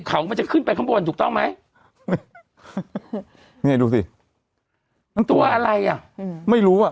เขามันจะขึ้นไปข้างบนถูกต้องไหมเนี่ยดูสิมันตัวอะไรอ่ะอืมไม่รู้อ่ะ